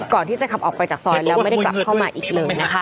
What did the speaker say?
ก่อนที่จะขับออกไปจากซอยแล้วไม่ได้กลับเข้ามาอีกเลยนะคะ